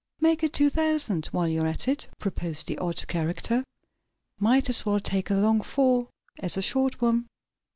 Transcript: "Make it two thousand, while you're at it," proposed the odd character. "Might as well take a long fall as a short one."